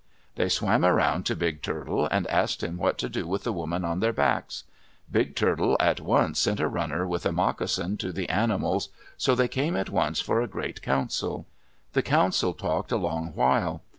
They swam around to Big Turtle and asked him what to do with the woman on their backs. Big Turtle at once sent a runner with a moccasin to the animals, so they came at once for a great council. The council talked a long while.